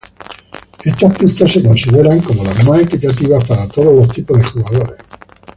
Estas pistas se consideran como las más equitativas para todos los tipos de jugadores.